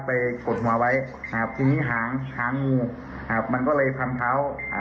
กดหัวไว้ครับทีนี้หางหางงูครับมันก็เลยพันเท้าอ่า